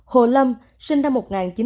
hồ lâm sinh năm một nghìn chín trăm tám mươi